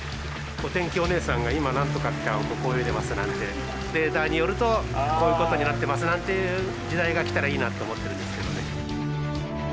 お天気おねえさんが「今何とかちゃんはここを泳いでます」なんて「データによるとこういうことになってます」なんていう時代が来たらいいなと思ってるんですけどね。